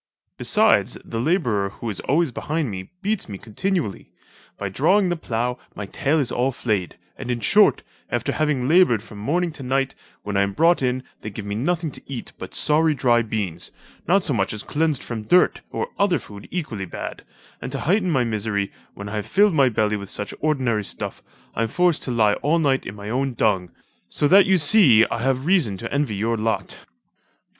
Besides, the labourer, who is always behind me, beats me continually. By drawing the plough, my tail is all flayed; and in short, after having laboured from morning to night, when I am brought in they give me nothing to eat but sorry dry beans, not so much as cleansed from dirt, or other food equally bad; and to heighten my misery, when I have filled my belly with such ordinary stuff, I am forced to lie all night in my own dung: so that you see I have reason to envy your lot."